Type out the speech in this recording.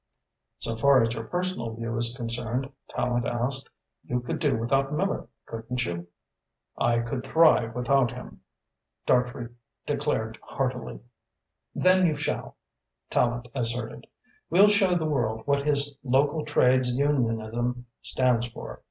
"So far as your personal view is concerned," Tallente asked, "you could do without Miller, couldn't you?" "I could thrive without him," Dartrey declared heartily. "Then you shall," Tallente asserted. "We'll show the world what his local trades unionism stands for.